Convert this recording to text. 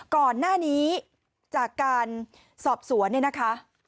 ก่อนหน้านี้จากการสอบสวนเนี่ยนะคะ